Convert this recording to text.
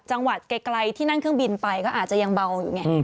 จังหวัดไกลที่นั่งเครื่องบินไปก็อาจจะยังเบาอยู่ไง